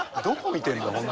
どこ見てるんだ？